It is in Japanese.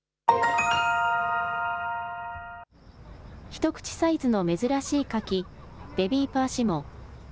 一口サイズの珍しい柿、ベビーパーシモン。